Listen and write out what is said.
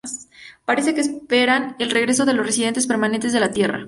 Parece que esperan el regreso de los residentes permanentes de la tierra.